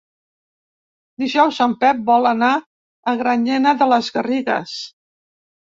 Dijous en Pep vol anar a Granyena de les Garrigues.